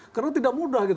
karena tidak mudah